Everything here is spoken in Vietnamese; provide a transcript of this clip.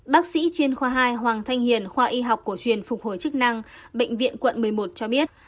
bác sĩ chuyên khoa hai hoàng thanh hiền khoa y học cổ truyền phục hồi chức năng bệnh viện quận một mươi một cho biết